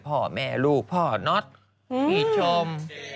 พ่อแม่ลูกพ่อน็อตพี่ชม